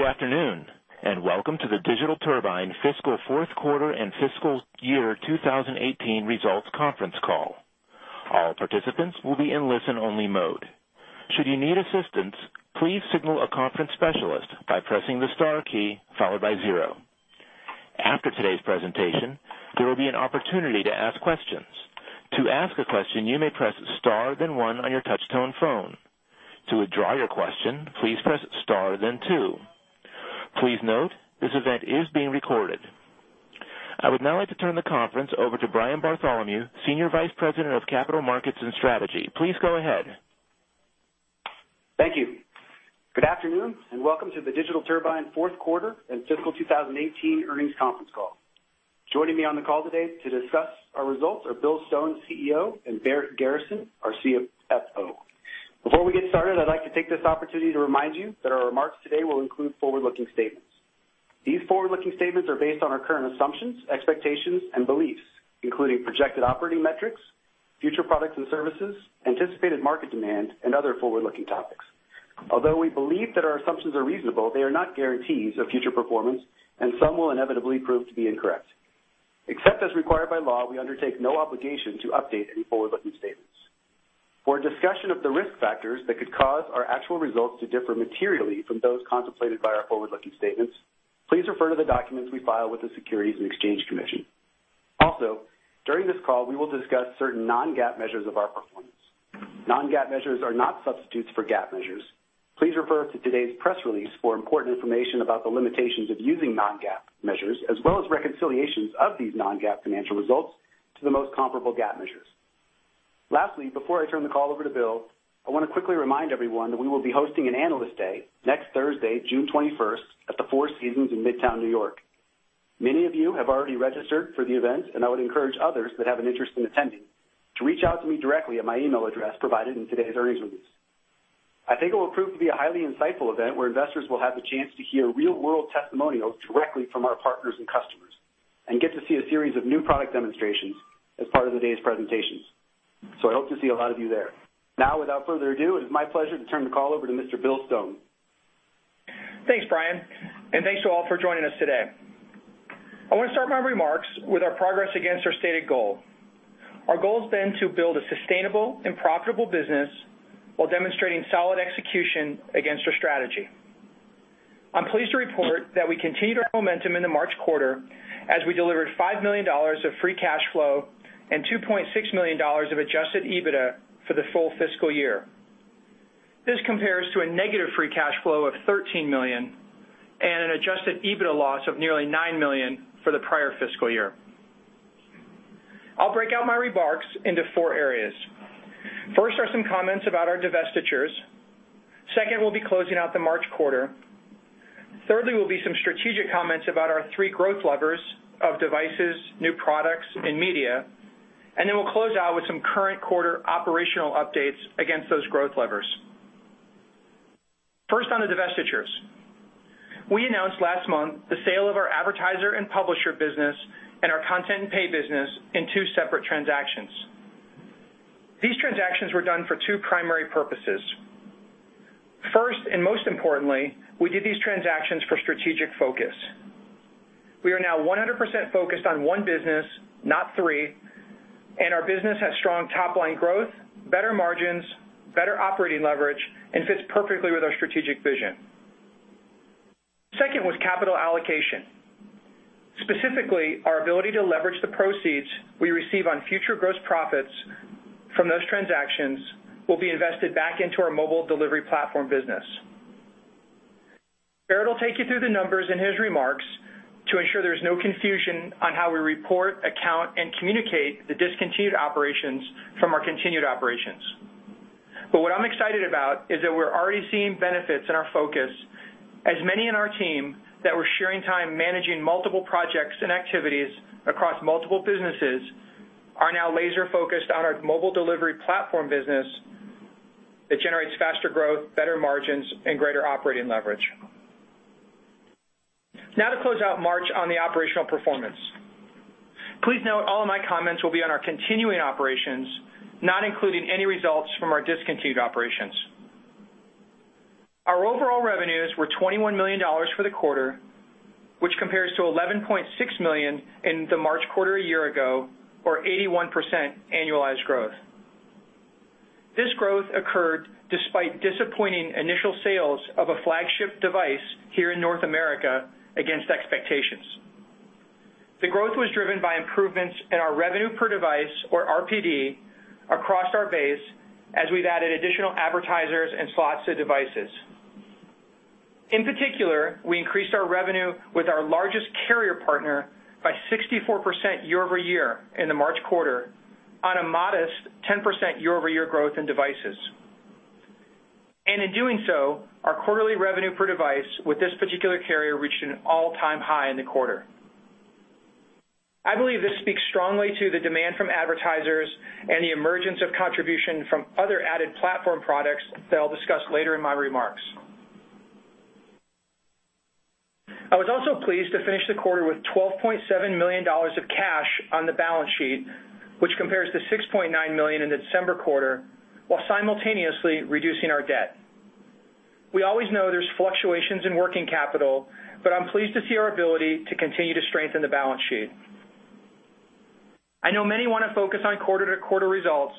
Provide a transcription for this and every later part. Good afternoon, and welcome to the Digital Turbine fiscal fourth quarter and fiscal year 2018 results conference call. All participants will be in listen-only mode. Should you need assistance, please signal a conference specialist by pressing the star key followed by zero. After today's presentation, there will be an opportunity to ask questions. To ask a question, you may press star, then one on your touch-tone phone. To withdraw your question, please press star, then two. Please note, this event is being recorded. I would now like to turn the conference over to Brian Bartholomew, Senior Vice President of Capital Markets and Strategy. Please go ahead. Thank you. Good afternoon, and welcome to the Digital Turbine fourth quarter and fiscal 2018 earnings conference call. Joining me on the call today to discuss our results are Bill Stone, CEO, and Barrett Garrison, our CFO. Before we get started, I'd like to take this opportunity to remind you that our remarks today will include forward-looking statements. These forward-looking statements are based on our current assumptions, expectations, and beliefs, including projected operating metrics, future products and services, anticipated market demand, and other forward-looking topics. Although we believe that our assumptions are reasonable, they are not guarantees of future performance, and some will inevitably prove to be incorrect. Except as required by law, we undertake no obligation to update any forward-looking statements. For a discussion of the risk factors that could cause our actual results to differ materially from those contemplated by our forward-looking statements, please refer to the documents we file with the Securities and Exchange Commission. During this call, we will discuss certain non-GAAP measures of our performance. Non-GAAP measures are not substitutes for GAAP measures. Please refer to today's press release for important information about the limitations of using non-GAAP measures, as well as reconciliations of these non-GAAP financial results to the most comparable GAAP measures. Before I turn the call over to Bill, I want to quickly remind everyone that we will be hosting an Analyst Day next Thursday, June 21st, at the Four Seasons in Midtown, New York. Many of you have already registered for the event, and I would encourage others that have an interest in attending to reach out to me directly at my email address provided in today's earnings release. I think it will prove to be a highly insightful event where investors will have the chance to hear real-world testimonials directly from our partners and customers and get to see a series of new product demonstrations as part of the day's presentations. I hope to see a lot of you there. Without further ado, it is my pleasure to turn the call over to Mr. Bill Stone. Thanks, Brian. Thanks to all for joining us today. I want to start my remarks with our progress against our stated goal. Our goal has been to build a sustainable and profitable business while demonstrating solid execution against our strategy. I'm pleased to report that we continued our momentum in the March quarter as we delivered $5 million of free cash flow and $2.6 million of adjusted EBITDA for the full fiscal year. This compares to a negative free cash flow of $13 million and an adjusted EBITDA loss of nearly $9 million for the prior fiscal year. I'll break out my remarks into four areas. First are some comments about our divestitures. Second will be closing out the March quarter. Thirdly will be some strategic comments about our three growth levers of devices, new products, and media. Then we'll close out with some current quarter operational updates against those growth levers. First, on the divestitures. We announced last month the sale of our advertiser and publisher business and our content and pay business in two separate transactions. These transactions were done for two primary purposes. First, and most importantly, we did these transactions for strategic focus. We are now 100% focused on one business, not three, and our business has strong top-line growth, better margins, better operating leverage, and fits perfectly with our strategic vision. Second was capital allocation. Specifically, our ability to leverage the proceeds we receive on future gross profits from those transactions will be invested back into our mobile delivery platform business. Barrett will take you through the numbers in his remarks to ensure there's no confusion on how we report, account, and communicate the discontinued operations from our continued operations. What I'm excited about is that we're already seeing benefits in our focus, as many in our team that were sharing time managing multiple projects and activities across multiple businesses are now laser-focused on our mobile delivery platform business that generates faster growth, better margins, and greater operating leverage. To close out March on the operational performance. Please note all of my comments will be on our continuing operations, not including any results from our discontinued operations. Our overall revenues were $21 million for the quarter, which compares to $11.6 million in the March quarter a year ago or 81% annualized growth. This growth occurred despite disappointing initial sales of a flagship device here in North America against expectations. The growth was driven by improvements in our revenue per device, or RPD, across our base as we've added additional advertisers and slots to devices. In particular, we increased our revenue with our largest carrier partner by 64% year-over-year in the March quarter on a modest 10% year-over-year growth in devices. In doing so, our quarterly revenue per device with this particular carrier reached an all-time high in the quarter. I believe this speaks strongly to the demand from advertisers and the emergence of contribution from other added platform products that I'll discuss later in my remarks. I was also pleased to finish the quarter with $12.7 million of cash on the balance sheet, which compares to $6.9 million in the December quarter, while simultaneously reducing our debt. We always know there's fluctuations in working capital, but I'm pleased to see our ability to continue to strengthen the balance sheet. I know many want to focus on quarter-to-quarter results.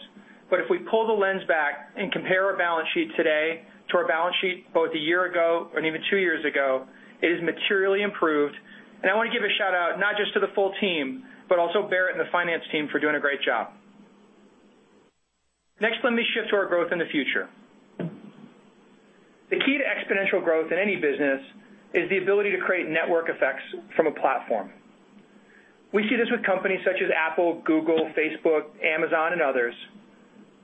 If we pull the lens back and compare our balance sheet today to our balance sheet both a year ago and even two years ago, it is materially improved. I want to give a shout-out not just to the full team, but also Barrett and the finance team for doing a great job. Next, let me shift to our growth in the future. The key to exponential growth in any business is the ability to create network effects from a platform. We see this with companies such as Apple, Google, Facebook, Amazon, and others,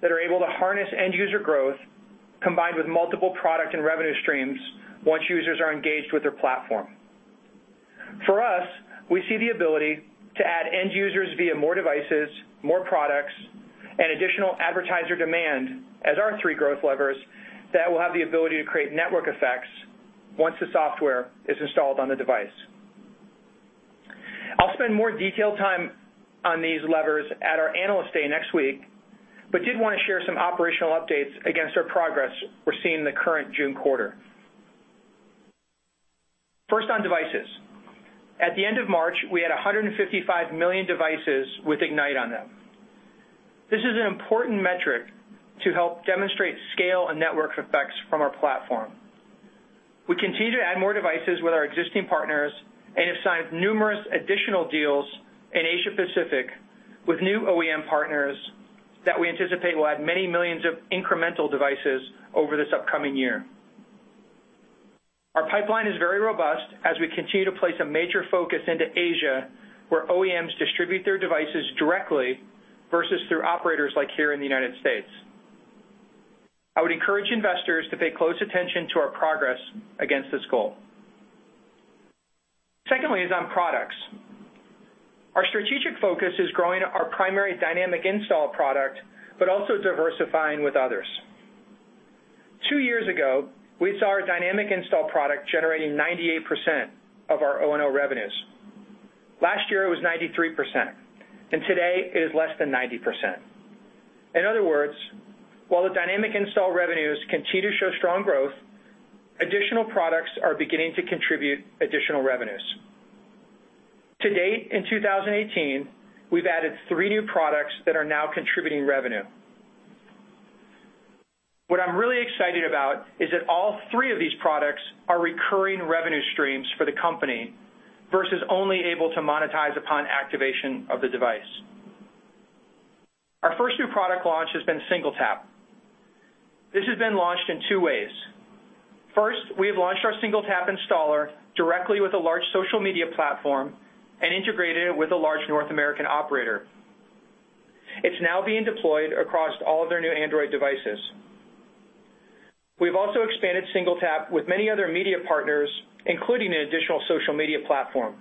that are able to harness end-user growth combined with multiple product and revenue streams once users are engaged with their platform. For us, we see the ability to add end users via more devices, more products, and additional advertiser demand as our three growth levers that will have the ability to create network effects once the software is installed on the device. I'll spend more detailed time on these levers at our Analyst Day next week. Did want to share some operational updates against our progress we're seeing in the current June quarter. First, on devices. At the end of March, we had 155 million devices with Ignite on them. This is an important metric to help demonstrate scale and network effects from our platform. We continue to add more devices with our existing partners and have signed numerous additional deals in Asia Pacific with new OEM partners that we anticipate will add many millions of incremental devices over this upcoming year. Our pipeline is very robust as we continue to place a major focus into Asia, where OEMs distribute their devices directly versus through operators like here in the U.S. I would encourage investors to pay close attention to our progress against this goal. Secondly is on products. Our strategic focus is growing our primary Dynamic Install product, also diversifying with others. Two years ago, we saw our Dynamic Install product generating 98% of our O&O revenues. Last year, it was 93%. Today, it is less than 90%. In other words, while the Dynamic Install revenues continue to show strong growth, additional products are beginning to contribute additional revenues. To date, in 2018, we've added three new products that are now contributing revenue. What I'm really excited about is that all three of these products are recurring revenue streams for the company versus only able to monetize upon activation of the device. Our first new product launch has been SingleTap. This has been launched in two ways. First, we have launched our SingleTap installer directly with a large social media platform and integrated it with a large North American operator. It's now being deployed across all of their new Android devices. We've also expanded SingleTap with many other media partners, including an additional social media platform.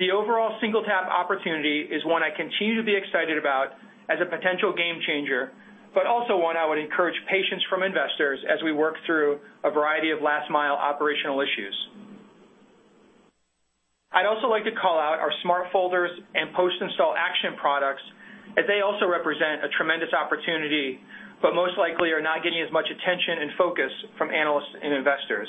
The overall SingleTap opportunity is one I continue to be excited about as a potential game changer, also one I would encourage patience from investors as we work through a variety of last-mile operational issues. I'd also like to call out our Smart Folders and Post-Install action products, as they also represent a tremendous opportunity, but most likely are not getting as much attention and focus from analysts and investors.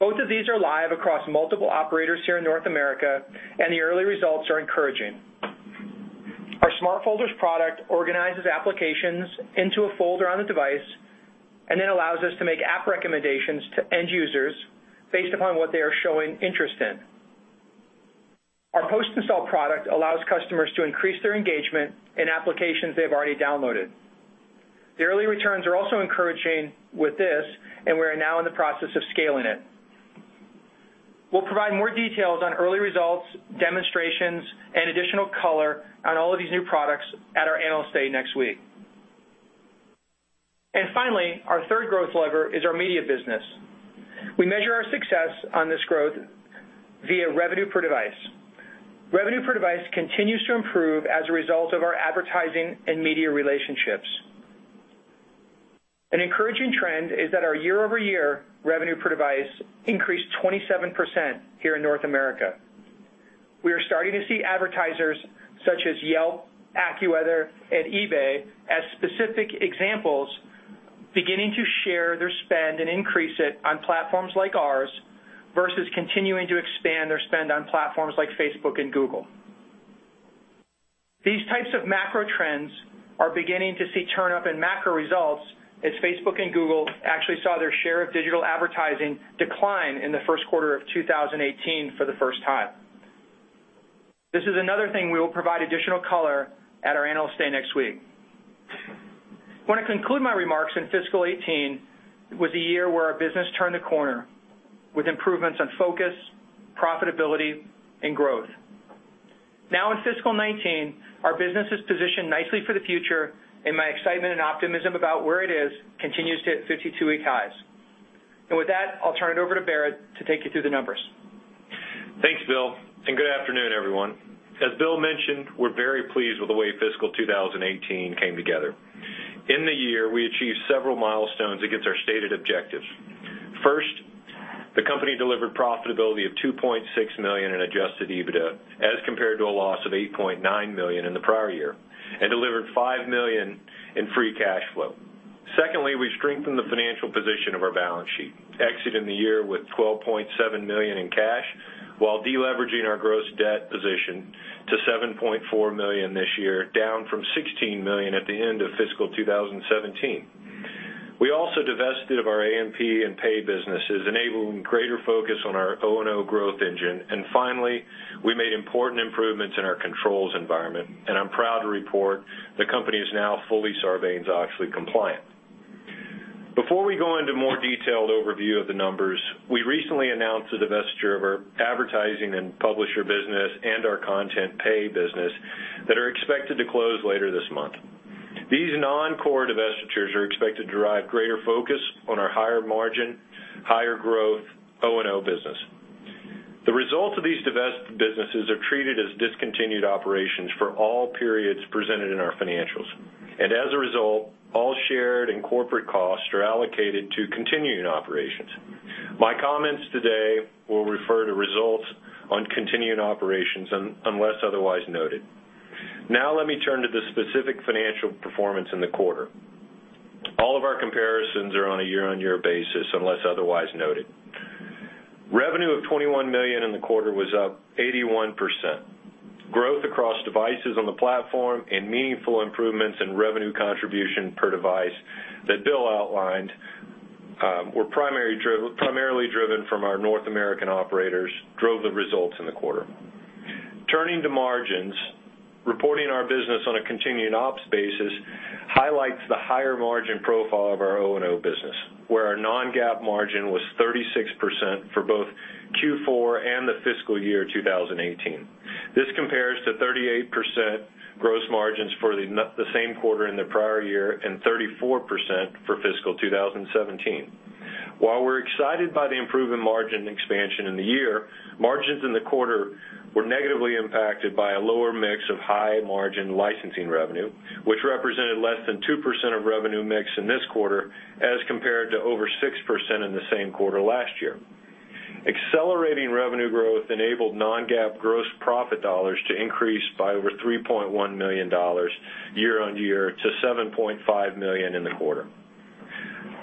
Both of these are live across multiple operators here in North America, and the early results are encouraging. Our Smart Folders product organizes applications into a folder on the device and then allows us to make app recommendations to end users based upon what they are showing interest in. Our Post-Install product allows customers to increase their engagement in applications they've already downloaded. The early returns are also encouraging with this, and we are now in the process of scaling it. We'll provide more details on early results, demonstrations, and additional color on all of these new products at our Analyst Day next week. Finally, our third growth lever is our media business. We measure our success on this growth via revenue per device. Revenue per device continues to improve as a result of our advertising and media relationships. An encouraging trend is that our year-over-year revenue per device increased 27% here in North America. We are starting to see advertisers such as Yelp, AccuWeather, and eBay as specific examples, beginning to share their spend and increase it on platforms like ours, versus continuing to expand their spend on platforms like Facebook and Google. These types of macro trends are beginning to see turn up in macro results as Facebook and Google actually saw their share of digital advertising decline in the first quarter of 2018 for the first time. This is another thing we will provide additional color at our Analyst Day next week. I want to conclude my remarks in fiscal 2018. It was a year where our business turned a corner with improvements on focus, profitability, and growth. Now in fiscal 2019, our business is positioned nicely for the future, and my excitement and optimism about where it is continues to hit 52-week highs. With that, I'll turn it over to Barrett to take you through the numbers. Good afternoon, everyone. As Bill mentioned, we're very pleased with the way fiscal 2018 came together. In the year, we achieved several milestones against our stated objectives. First, the company delivered profitability of $2.6 million in adjusted EBITDA, as compared to a loss of $8.9 million in the prior year, and delivered $5 million in free cash flow. Secondly, we strengthened the financial position of our balance sheet, exiting the year with $12.7 million in cash while de-leveraging our gross debt position to $7.4 million this year, down from $16 million at the end of fiscal 2017. We also divested of our AMP and Pay businesses, enabling greater focus on our O&O growth engine. Finally, we made important improvements in our controls environment. I'm proud to report the company is now fully Sarbanes-Oxley compliant. Before we go into more detailed overview of the numbers, we recently announced the divestiture of our advertising and publisher business and our content pay business that are expected to close later this month. These non-core divestitures are expected to drive greater focus on our higher margin, higher growth O&O business. The results of these divested businesses are treated as discontinued operations for all periods presented in our financials, and as a result, all shared and corporate costs are allocated to continuing operations. My comments today will refer to results on continuing operations unless otherwise noted. Let me turn to the specific financial performance in the quarter. All of our comparisons are on a year-on-year basis, unless otherwise noted. Revenue of $21 million in the quarter was up 81%. Growth across devices on the platform and meaningful improvements in revenue contribution per device that Bill outlined were primarily driven from our North American operators, drove the results in the quarter. Turning to margins, reporting our business on a continuing ops basis highlights the higher margin profile of our O&O business, where our non-GAAP margin was 36% for both Q4 and the fiscal year 2018. This compares to 38% gross margins for the same quarter in the prior year and 34% for fiscal 2017. While we're excited by the improvement margin expansion in the year, margins in the quarter were negatively impacted by a lower mix of high-margin licensing revenue, which represented less than 2% of revenue mix in this quarter as compared to over 6% in the same quarter last year. Accelerating revenue growth enabled non-GAAP gross profit dollars to increase by over $3.1 million year-on-year to $7.5 million in the quarter.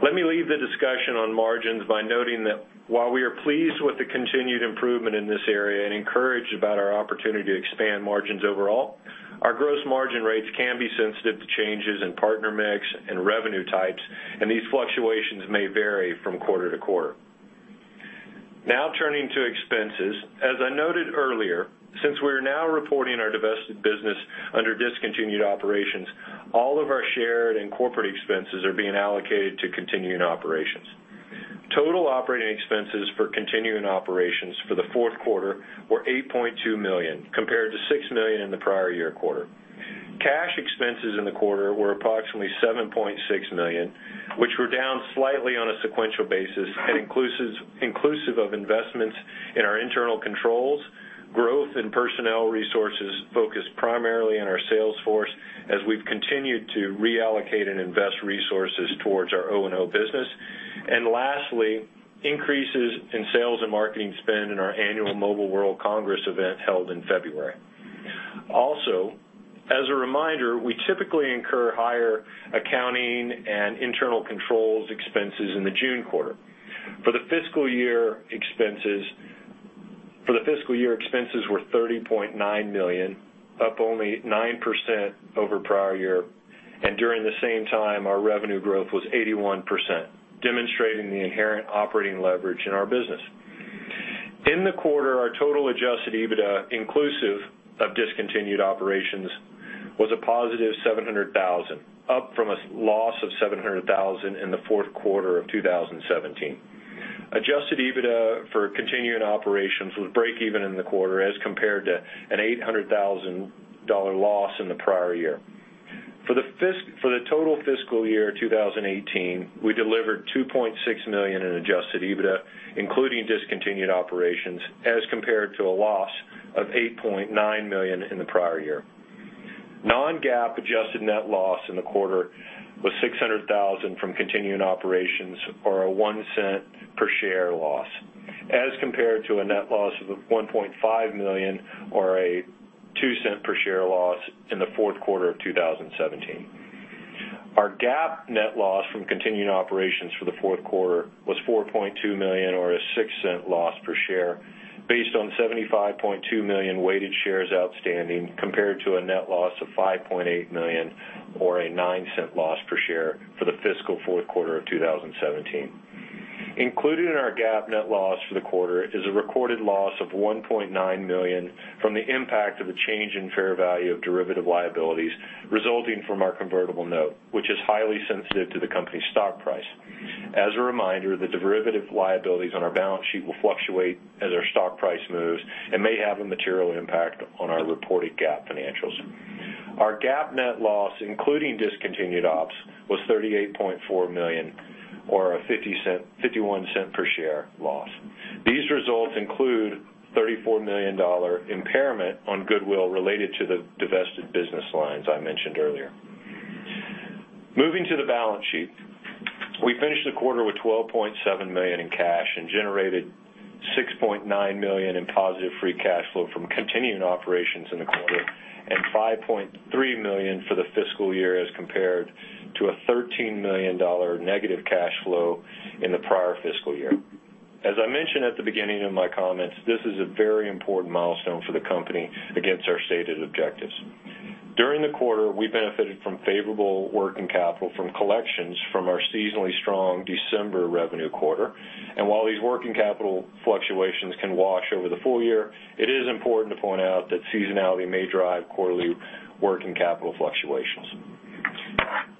Let me leave the discussion on margins by noting that while we are pleased with the continued improvement in this area and encouraged about our opportunity to expand margins overall, our gross margin rates can be sensitive to changes in partner mix and revenue types, and these fluctuations may vary from quarter to quarter. Turning to expenses. As I noted earlier, since we are now reporting our divested business under discontinued operations, all of our shared and corporate expenses are being allocated to continuing operations. Total operating expenses for continuing operations for the fourth quarter were $8.2 million, compared to $6 million in the prior year quarter. Cash expenses in the quarter were approximately $7.6 million, which were down slightly on a sequential basis and inclusive of investments in our internal controls, growth in personnel resources focused primarily in our sales force as we've continued to reallocate and invest resources towards our O&O business, and lastly, increases in sales and marketing spend in our annual Mobile World Congress event held in February. Also, as a reminder, we typically incur higher accounting and internal controls expenses in the June quarter. For the fiscal year, expenses were $30.9 million, up only 9% over prior year. During the same time, our revenue growth was 81%, demonstrating the inherent operating leverage in our business. In the quarter, our total adjusted EBITDA, inclusive of discontinued operations, was a positive $700,000, up from a loss of $700,000 in the fourth quarter of 2017. Adjusted EBITDA for continuing operations was breakeven in the quarter as compared to an $800,000 loss in the prior year. For the total fiscal year 2018, we delivered $2.6 million in adjusted EBITDA, including discontinued operations, as compared to a loss of $8.9 million in the prior year. Non-GAAP adjusted net loss in the quarter was $600,000 from continuing operations or a $0.01 per share loss, as compared to a net loss of $1.5 million or a $0.02 per share loss in the fourth quarter of 2017. Our GAAP net loss from continuing operations for the fourth quarter was $4.2 million or a $0.06 loss per share based on 75.2 million weighted shares outstanding compared to a net loss of $5.8 million or a $0.09 loss per share for the fiscal fourth quarter of 2017. Included in our GAAP net loss for the quarter is a recorded loss of $1.9 million from the impact of a change in fair value of derivative liabilities resulting from our convertible note, which is highly sensitive to the company's stock price. As a reminder, the derivative liabilities on our balance sheet will fluctuate as our stock price moves and may have a material impact on our reported GAAP financials. Our GAAP net loss, including discontinued ops, was $38.4 million, or a $0.51 per share loss. These results include a $34 million impairment on goodwill related to the divested business lines I mentioned earlier. Moving to the balance sheet, we finished the quarter with $12.7 million in cash and generated $6.9 million in positive free cash flow from continuing operations in the quarter, and $5.3 million for the fiscal year as compared to a $13 million negative cash flow in the prior fiscal year. As I mentioned at the beginning of my comments, this is a very important milestone for the company against our stated objectives. During the quarter, we benefited from favorable working capital from collections from our seasonally strong December revenue quarter. While these working capital fluctuations can wash over the full year, it is important to point out that seasonality may drive quarterly working capital fluctuations.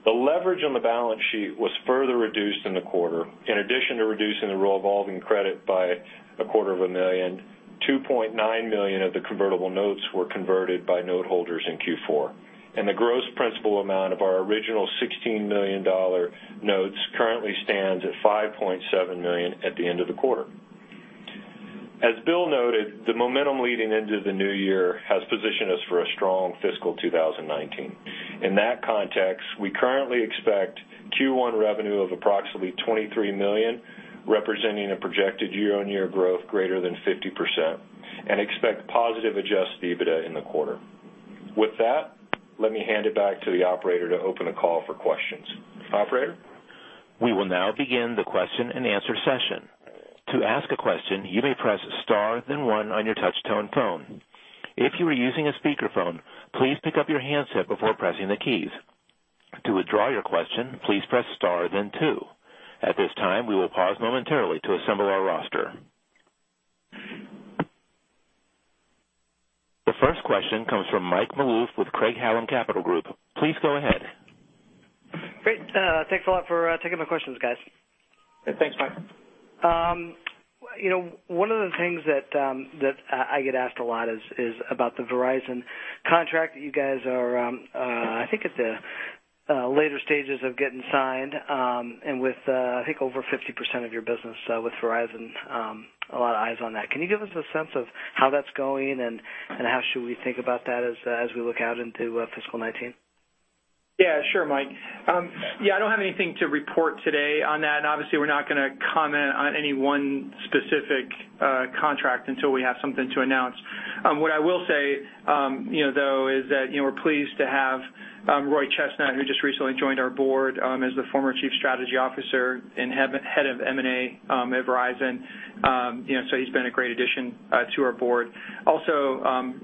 The leverage on the balance sheet was further reduced in the quarter. In addition to reducing the revolving credit by a quarter of a million, $2.9 million of the convertible notes were converted by note holders in Q4. The gross principal amount of our original $16 million notes currently stands at $5.7 million at the end of the quarter. As Bill noted, the momentum leading into the new year has positioned us for a strong fiscal 2019. In that context, we currently expect Q1 revenue of approximately $23 million, representing a projected year-on-year growth greater than 50%, and expect positive adjusted EBITDA in the quarter. With that, let me hand it back to the operator to open the call for questions. Operator? We will now begin the question and answer session. To ask a question, you may press star then one on your touch-tone phone. If you are using a speakerphone, please pick up your handset before pressing the keys. To withdraw your question, please press star then two. At this time, we will pause momentarily to assemble our roster. The first question comes from Mike Malouf with Craig-Hallum Capital Group. Please go ahead. Great. Thanks a lot for taking my questions, guys. Thanks, Mike. One of the things that I get asked a lot is about the Verizon contract that you guys are, I think, at the later stages of getting signed. With, I think, over 50% of your business with Verizon, a lot of eyes on that. Can you give us a sense of how that's going and how should we think about that as we look out into fiscal 2019? Sure, Mike. I don't have anything to report today on that, and obviously we're not gonna comment on any one specific contract until we have something to announce. What I will say though is that, we're pleased to have Roy Chestnutt, who just recently joined our board, as the former Chief Strategy Officer and Head of M&A at Verizon. He's been a great addition to our board.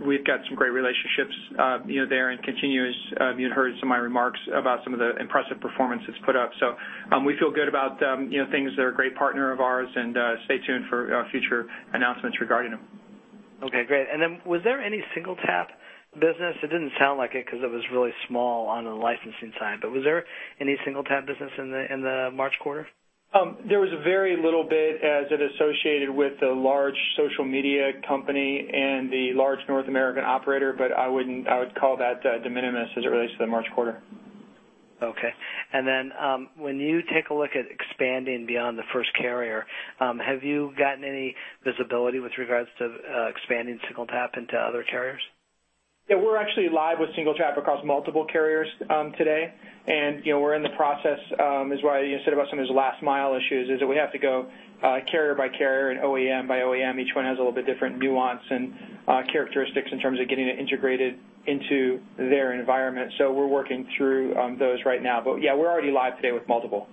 We've got some great relationships there and continues. You had heard some of my remarks about some of the impressive performances put up. We feel good about them. They're a great partner of ours and stay tuned for future announcements regarding them. Okay, great. Was there any SingleTap business? It didn't sound like it because it was really small on the licensing side, was there any SingleTap business in the March quarter? There was a very little bit as it associated with the large social media company and the large North American operator, I would call that de minimis as it relates to the March quarter. Okay. When you take a look at expanding beyond the first carrier, have you gotten any visibility with regards to expanding SingleTap into other carriers? We're actually live with SingleTap across multiple carriers today. We're in the process, as Roy said about some of those last-mile issues, is that we have to go carrier by carrier and OEM by OEM. Each one has a little bit different nuance and characteristics in terms of getting it integrated into their environment. We're working through those right now. We're already live today with multiple.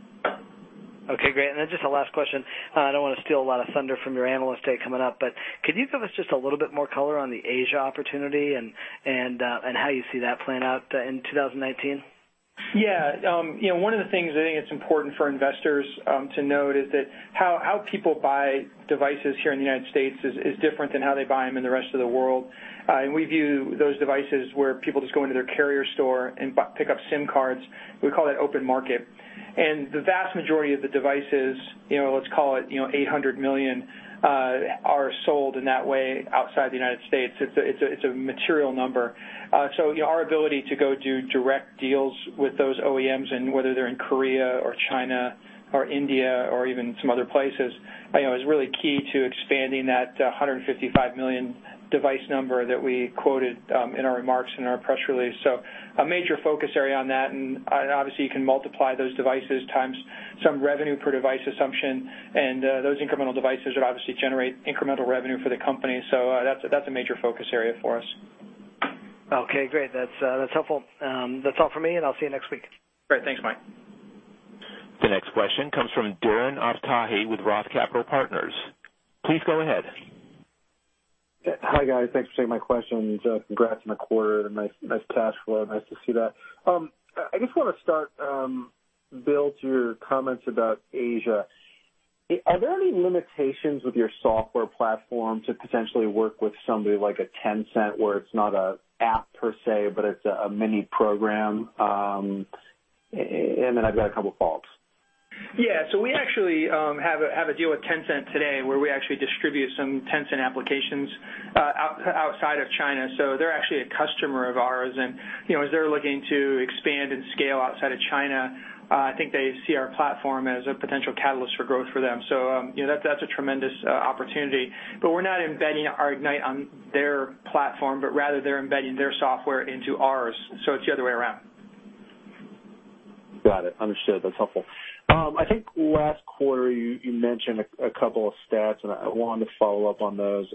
Okay, great. Just a last question. I don't want to steal a lot of thunder from your Analyst Day coming up, could you give us just a little bit more color on the Asia opportunity and how you see that playing out in 2019? One of the things I think that's important for investors to note is that how people buy devices here in the U.S. is different than how they buy them in the rest of the world. We view those devices where people just go into their carrier store and pick up SIM cards, we call that open market. The vast majority of the devices, let's call it $800 million, are sold in that way outside the U.S. It's a material number. Our ability to go do direct deals with those OEMs, whether they're in Korea or China or India or even some other places, is really key to expanding that $155 million device number that we quoted in our remarks in our press release. A major focus area on that, obviously you can multiply those devices times some revenue per device assumption, those incremental devices would obviously generate incremental revenue for the company. That's a major focus area for us. Okay, great. That's helpful. That's all for me, and I'll see you next week. Great. Thanks, Mike. The next question comes from Darren Aftahi with Roth Capital Partners. Please go ahead. Hi, guys. Thanks for taking my questions. Congrats on the quarter and nice cash flow. Nice to see that. I just want to start, Bill, to your comments about Asia. Are there any limitations with your software platform to potentially work with somebody like a Tencent, where it's not an app per se, but it's a mini program? I've got a couple follows. We actually have a deal with Tencent today where we actually distribute some Tencent applications outside of China. They're actually a customer of ours, and as they're looking to expand and scale outside of China, I think they see our platform as a potential catalyst for growth for them. That's a tremendous opportunity. We're not embedding our Ignite on their platform, but rather they're embedding their software into ours. It's the other way around. Got it. Understood. That's helpful. I think last quarter you mentioned a couple of stats, and I wanted to follow up on those.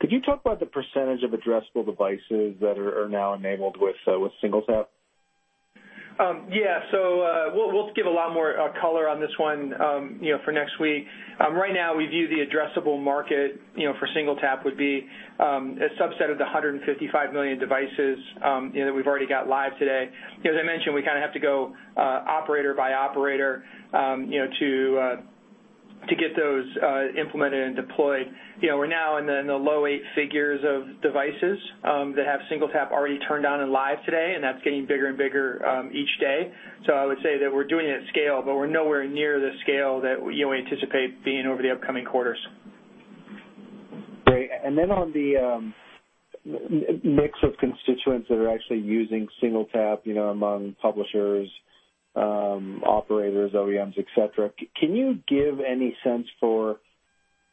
Could you talk about the % of addressable devices that are now enabled with SingleTap? We'll give a lot more color on this one for next week. Right now, we view the addressable market for SingleTap would be a subset of the 155 million devices that we've already got live today. As I mentioned, we kind of have to go operator by operator to get those implemented and deployed. We're now in the low eight figures of devices that have SingleTap already turned on and live today, and that's getting bigger and bigger each day. I would say that we're doing it at scale, but we're nowhere near the scale that we anticipate being over the upcoming quarters. Great. On the mix of constituents that are actually using SingleTap among publishers, operators, OEMs, et cetera, can you give any sense for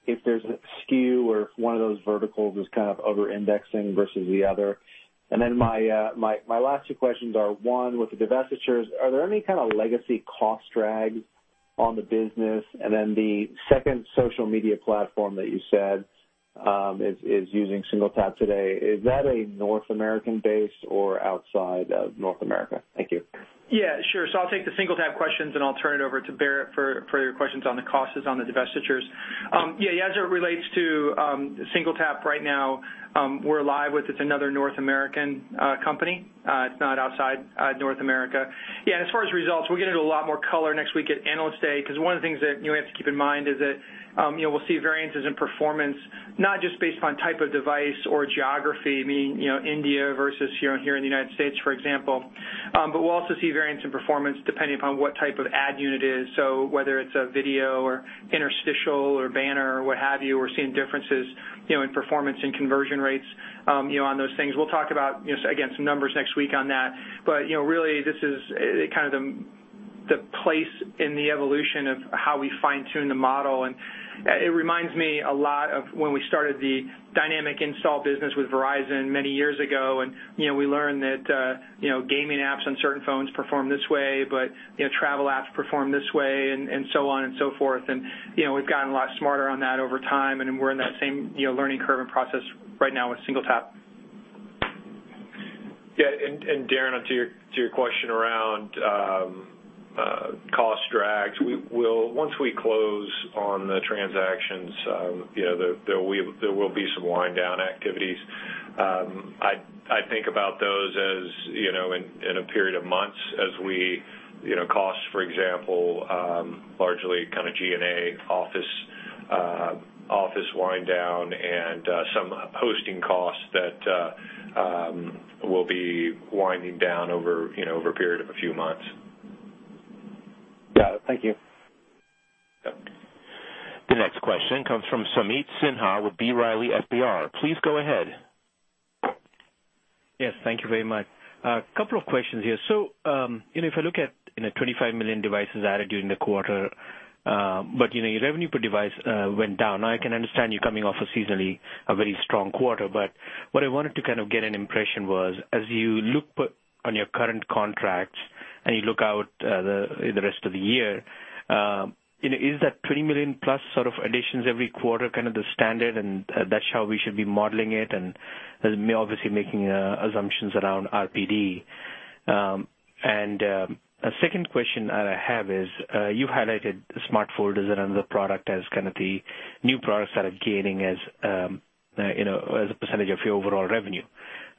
if there's a skew or if one of those verticals is kind of over-indexing versus the other? My last two questions are, one, with the divestitures, are there any kind of legacy cost drags on the business? The second social media platform that you said is using SingleTap today, is that a North American base or outside of North America? Thank you. Sure. I'll take the SingleTap questions, and I'll turn it over to Barrett for your questions on the costs on the divestitures. As it relates to SingleTap right now, we're live with, it's another North American company. It's not outside North America. As far as results, we'll get into a lot more color next week at Analyst Day, because one of the things that we have to keep in mind is that we'll see variances in performance, not just based upon type of device or geography, meaning India versus here in the U.S., for example. We'll also see variance in performance depending upon what type of ad unit it is. Whether it's a video or interstitial or banner or what have you, we're seeing differences in performance and conversion rates on those things. We'll talk about, again, some numbers next week on that. Really, this is kind of the place in the evolution of how we fine-tune the model, and it reminds me a lot of when we started the Dynamic Install business with Verizon many years ago, and we learned that gaming apps on certain phones perform this way, but travel apps perform this way and so on and so forth. We've gotten a lot smarter on that over time, and we're in that same learning curve and process right now with SingleTap. Darren, to your question around cost drags, once we close on the transactions, there will be some wind-down activities. I think about those as in a period of months as we costs, for example, largely G&A office wind down and some hosting costs that will be winding down over a period of a few months. Got it. Thank you. Yep. The next question comes from Sameet Sinha with B. Riley FBR. Please go ahead. Yes, thank you very much. A couple of questions here. If I look at 25 million devices added during the quarter, your revenue per device went down. I can understand you're coming off a seasonally, a very strong quarter, what I wanted to kind of get an impression was, as you look on your current contracts, and you look out the rest of the year, is that 20 million-plus sort of additions every quarter kind of the standard, and that's how we should be modeling it and obviously making assumptions around RPD. A second question I have is, you highlighted Smart Folders around the product as kind of the new products that are gaining as a % of your overall revenue.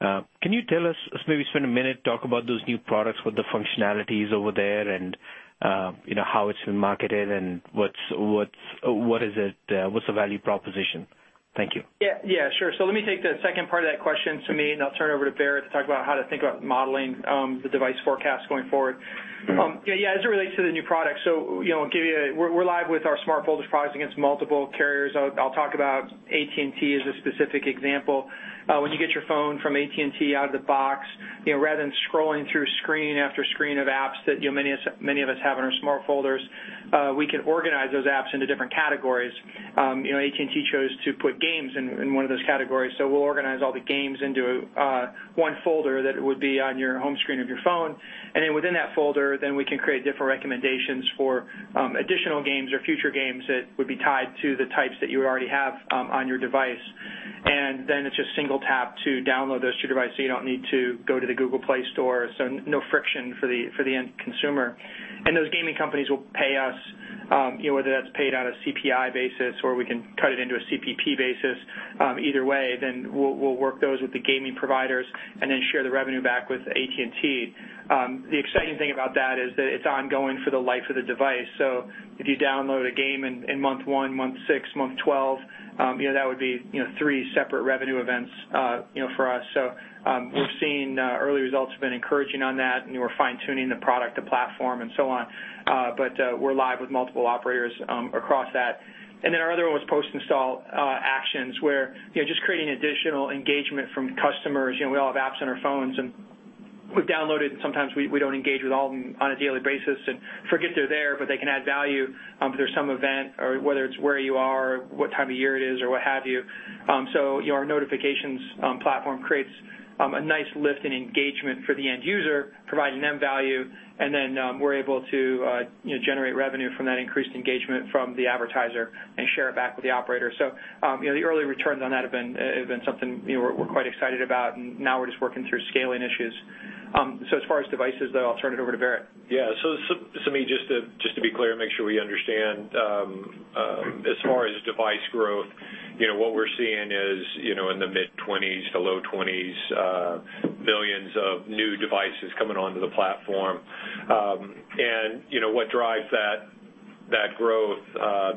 Can you tell us, maybe spend a minute, talk about those new products, what the functionality is over there and how it's been marketed and what's the value proposition? Thank you. Yeah. Sure. Let me take the second part of that question, Sameet, and I'll turn it over to Barrett to talk about how to think about modeling the device forecast going forward. As it relates to the new product, we're live with our Smart Folders product against multiple carriers. I'll talk about AT&T as a specific example. When you get your phone from AT&T out of the box, rather than scrolling through screen after screen of apps that many of us have on our Smart Folders, we can organize those apps into different categories. AT&T chose to put games in one of those categories. We'll organize all the games into one folder that would be on your home screen of your phone. Within that folder, we can create different recommendations for additional games or future games that would be tied to the types that you would already have on your device. It's just SingleTap to download those to your device, so you don't need to go to the Google Play Store. No friction for the end consumer. Those gaming companies will pay us, whether that's paid on a CPI basis or we can cut it into a CPP basis. Either way, we'll work those with the gaming providers and then share the revenue back with AT&T. The exciting thing about that is that it's ongoing for the life of the device. If you download a game in month one, month six, month 12, that would be three separate revenue events for us. We've seen early results have been encouraging on that, and we're fine-tuning the product, the platform, and so on. We're live with multiple operators across that. Our other one was Post-Install actions, where just creating additional engagement from customers. We all have apps on our phones, and we've downloaded, and sometimes we don't engage with all of them on a daily basis and forget they're there, but they can add value. If there's some event or whether it's where you are or what time of year it is or what have you. Our notifications platform creates a nice lift in engagement for the end user, providing them value, and we're able to generate revenue from that increased engagement from the advertiser and share it back with the operator. The early returns on that have been something we're quite excited about, and now we're just working through scaling issues. As far as devices, though, I'll turn it over to Barrett. Yeah. Sameet, just to be clear and make sure we understand. As far as device growth, what we're seeing is in the mid 20s to low 20s, millions of new devices coming onto the platform. What drives that growth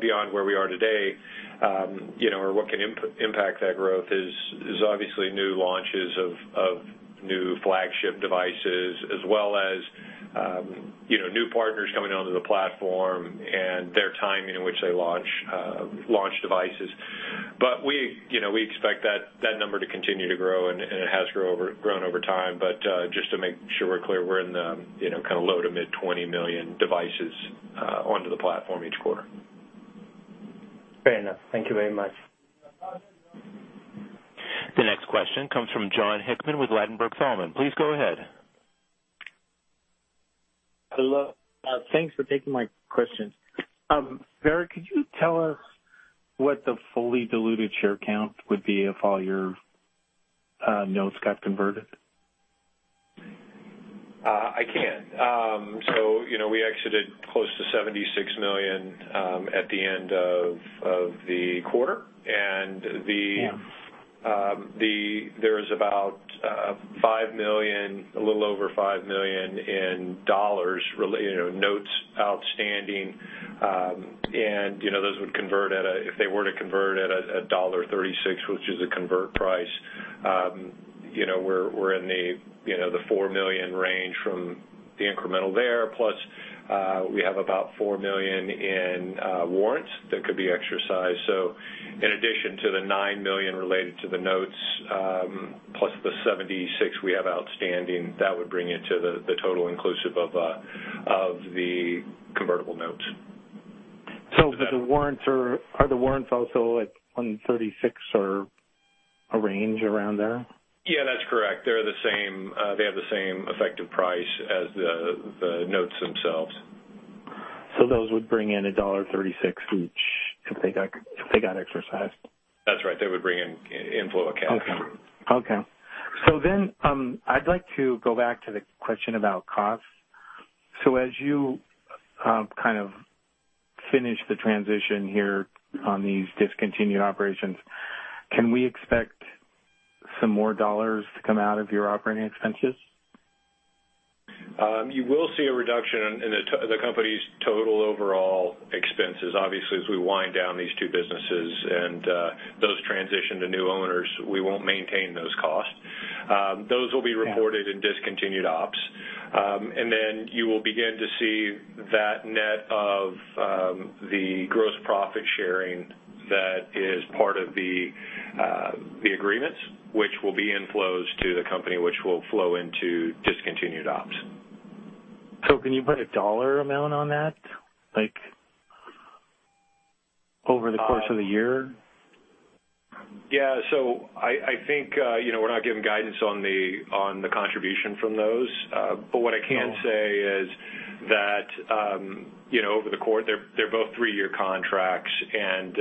beyond where we are today, or what can impact that growth is obviously new launches of new flagship devices as well as new partners coming onto the platform and their timing in which they launch devices. We expect that number to continue to grow, and it has grown over time. Just to make sure we're clear, we're in the low to mid 20 million devices onto the platform each quarter. Fair enough. Thank you very much. The next question comes from Jon Hickman with Ladenburg Thalmann. Please go ahead. Hello. Thanks for taking my question. Barrett, could you tell us what the fully diluted share count would be if all your notes got converted? I can. We exited close to 76 million at the end of the quarter. Yeah. There is about a little over $5 million notes outstanding. Those would convert at a $1.36, which is a convert price, we're in the $4 million range from the incremental there. Plus, we have about $4 million in warrants that could be exercised. In addition to the $9 million related to the notes, plus the $76 we have outstanding, that would bring it to the total inclusive of the convertible notes. Are the warrants also at $1.36 or a range around there? Yeah, that's correct. They have the same effective price as the notes themselves. Those would bring in $1.36 each if they got exercised. That's right. They would bring in inflow of cash. I'd like to go back to the question about costs. As you finish the transition here on these discontinued operations, can we expect some more dollars to come out of your operating expenses? You will see a reduction in the company's total overall expenses. Obviously, as we wind down these two businesses and those transition to new owners, we won't maintain those costs. Those will be reported in discontinued ops. You will begin to see that net of the gross profit sharing that is part of the agreements, which will be inflows to the company, which will flow into discontinued ops. Can you put a dollar amount on that, like over the course of the year? Yeah. I think, we're not giving guidance on the contribution from those. Oh. What I can say is that, they're both three-year contracts and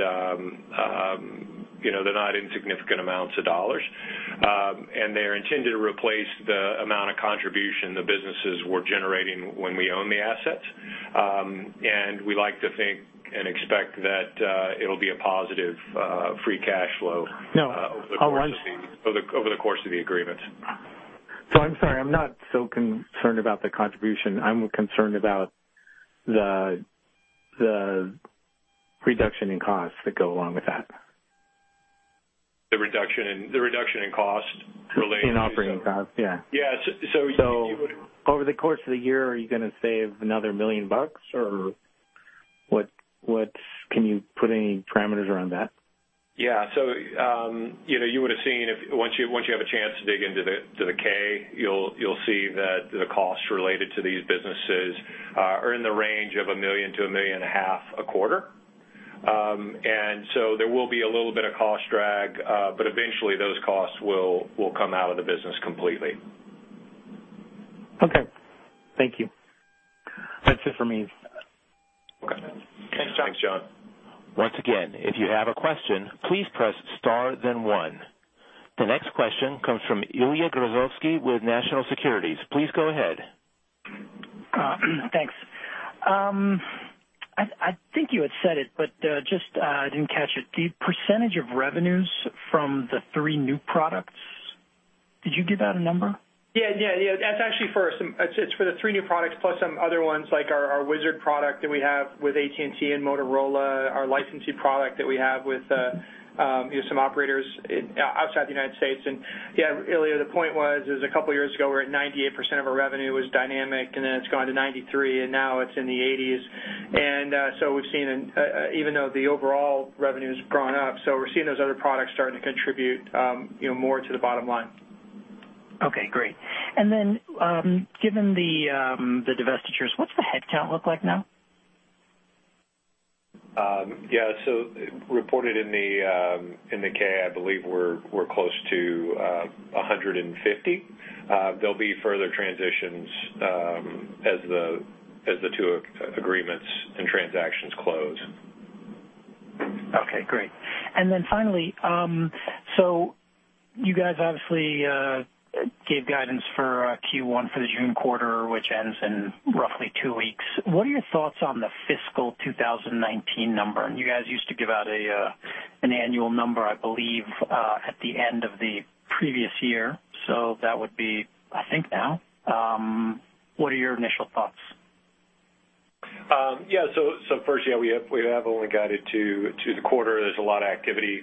they're not insignificant amounts of dollars. They're intended to replace the amount of contribution the businesses were generating when we own the assets. We like to think and expect that it'll be a positive free cash flow. No. I'll run. Over the course of the agreement. I'm sorry, I'm not so concerned about the contribution. I'm concerned about the reduction in costs that go along with that. The reduction in cost related to- In operating costs, yeah. Yeah. You would- Over the course of the year, are you gonna save another $1 million, or can you put any parameters around that? Yeah. You would've seen, once you have a chance to dig into the K, you'll see that the costs related to these businesses are in the range of $1 million to $1.5 million a quarter. There will be a little bit of cost drag, eventually, those costs will come out of the business completely. Okay. Thank you. That's it for me. Okay. Thanks, Jon. Thanks, Jon. Once again, if you have a question, please press star then one. The next question comes from Ilya Grozovsky with National Securities. Please go ahead. Thanks. I think you had said it, but just I didn't catch it. The % of revenues from the three new products, did you give out a number? Yeah. That's actually for the three new products plus some other ones like our Wizard product that we have with AT&T and Motorola, our licensing product that we have with some operators outside the U.S. Ilya, the point was, is a couple of years ago, we were at 98% of our revenue was dynamic, and then it's gone to 93%, and now it's in the 80s. We've seen, even though the overall revenue's gone up, so we're seeing those other products starting to contribute more to the bottom line. Okay, great. Given the divestitures, what's the headcount look like now? Reported in the K, I believe we're close to 150. There'll be further transitions as the two agreements and transactions close. Okay, great. Finally, you guys obviously gave guidance for Q1 for the June quarter, which ends in roughly two weeks. What are your thoughts on the fiscal 2019 number? You guys used to give out an annual number, I believe, at the end of the previous year. What are your initial thoughts? We have only guided to the quarter. There's a lot of activity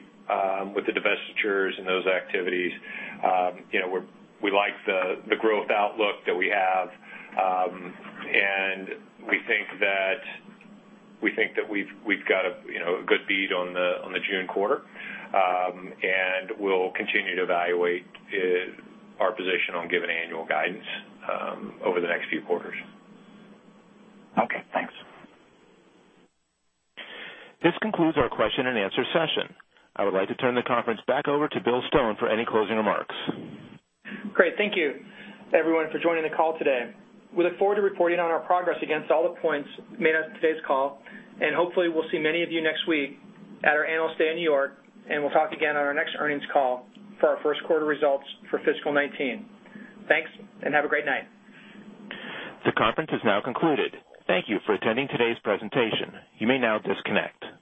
with the divestitures and those activities. We like the growth outlook that we have, and we think that we've got a good bead on the June quarter. We'll continue to evaluate our position on giving annual guidance over the next few quarters. Okay, thanks. This concludes our question-and-answer session. I would like to turn the conference back over to Bill Stone for any closing remarks. Great. Thank you, everyone, for joining the call today. We look forward to reporting on our progress against all the points made on today's call, and hopefully, we'll see many of you next week at our Analyst Day in New York, and we'll talk again on our next earnings call for our first quarter results for fiscal 2019. Thanks, and have a great night. The conference has now concluded. Thank you for attending today's presentation. You may now disconnect.